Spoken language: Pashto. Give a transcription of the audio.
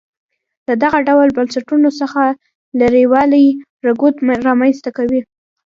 له دغه ډول بنسټونو څخه لرېوالی رکود رامنځته کوي.